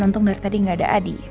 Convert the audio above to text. untung dari tadi nggak ada adi